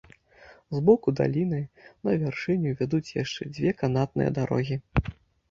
З боку даліны на вяршыню вядуць яшчэ дзве канатныя дарогі.